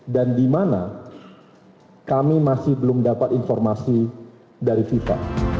dan di mana kami masih belum dapat informasi dari fifa